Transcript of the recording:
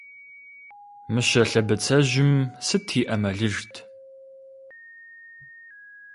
Мыщэ лъэбыцэжьым сыт и Ӏэмалыжт?